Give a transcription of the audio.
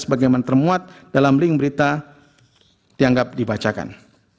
sebagaimana termuat dalam link berita dianggap dibacakan